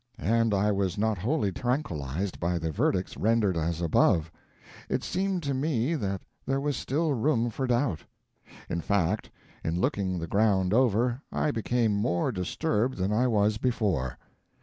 And I was not wholly tranquilized by the verdicts rendered as above. It seemed to me that there was still room for doubt. In fact, in looking the ground over I became more disturbed than I was before.